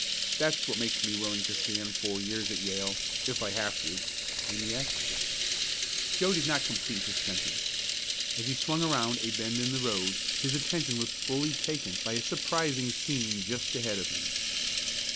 "That's what makes me willing to stand four years at Yale if I have to. And yet " Joe did not complete his sentence. As he swung around a bend in the road his attention was fully taken by a surprising scene just ahead of him.